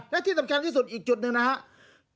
และที่สำคัญที่สุดอีกจุดหนึ่งนะครับ